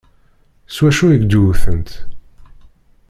S wacu i k-d-wtent?